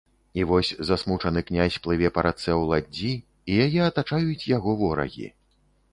І вось засмучаны князь плыве па рацэ ў ладдзі, і яе атачаюць яго ворагі.